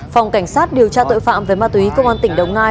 phòng cảnh sát điều tra tội phạm về ma túy công an tỉnh đồng nai